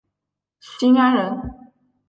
新安人。